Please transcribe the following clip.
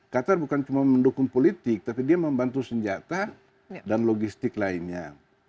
qatar bukan cuma mendukung politik tapi dia membantu senjata dan logistik lainnya